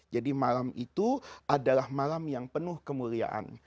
jadi malam itu adalah malam yang penuh kemuliaan